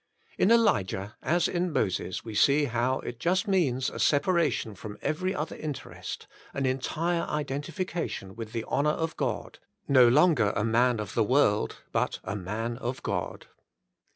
In Elijah as in Moses we see how it just means a separation from every other interest, an entire identification with the honour of God, no longer a man of the world, but a Max of God.